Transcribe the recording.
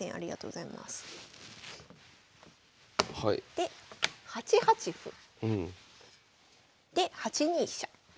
で８八歩。で８二飛車。